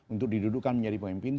untuk didudukan menjadi pemimpin